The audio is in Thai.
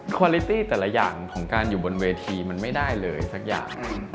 คอลิตี้แต่ละอย่างของการอยู่บนเวทีมันไม่ได้เลยสักอย่าง